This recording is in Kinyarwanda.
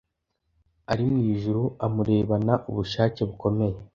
ari mu ijuru amurebana ubushake bukomeye,